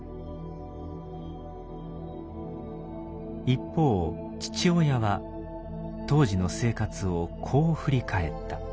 一方父親は当時の生活をこう振り返った。